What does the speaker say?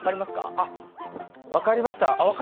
あっ、分かりました。